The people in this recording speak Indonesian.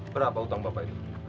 berapa hutang bapak itu